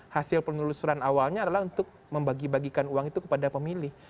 hasil penelusuran awalnya adalah untuk membagi bagikan uang itu kepada pemilih